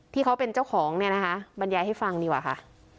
ที่เขาเป็นเจ้าของเนี่ยนะคะบรรยายให้ฟังดีกว่าค่ะ